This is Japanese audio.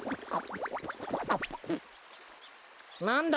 なんだ？